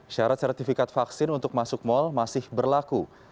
syarat sertifikat vaksin untuk masuk mal masih berlaku